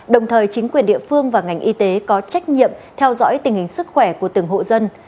đồng thời chính quyền địa phương và ngành y tế có trách nhiệm theo dõi tình hình sức khỏe của từng hộ dân